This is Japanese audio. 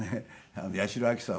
八代亜紀さんはね